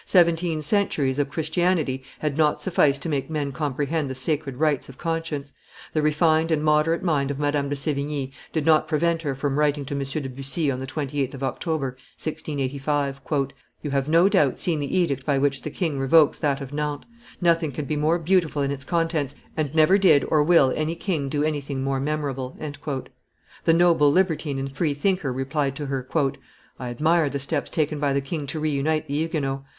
Seventeen centuries of Christianity had not sufficed to make men comprehend the sacred rights of conscience. The refined and moderate mind of Madame de Sevigne did not prevent her from writing to M. de Bussy on the 28th of October, 1685, "You have, no doubt, seen the edict by which the king revokes that of Nantes; nothing can be more beautiful than its contents, and never did or will any king do anything more memorable." The noble libertine and freethinker replied to her, "I admire the steps taken by the king to reunite the Huguenots.